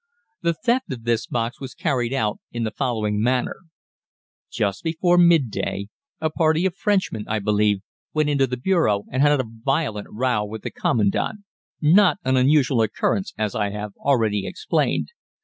The theft of this box was carried out in the following manner. Just before midday a party of Frenchmen, I believe, went into the bureau and had a violent row with the Commandant not an unusual occurrence, as I have already explained.